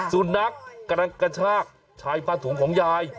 สุนัขกระชากชายผ้าถุงของยาย